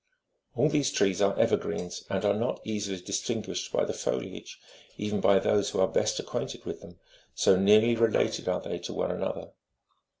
All these trees are evergreens, and are not easily25 distinguished by the foliage, even by those who are best acquainted with them, so nearly related are they to one another.